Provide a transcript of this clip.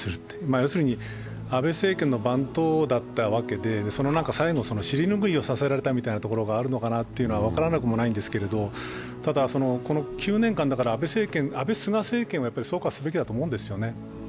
要するに安倍政権の番頭だったわけで、その最後、尻ぬぐいをさせられたところがあるのかなというのは分からなくもないんですけどただ、９年間、安倍・菅政権を総括すべきだと思うんですよね。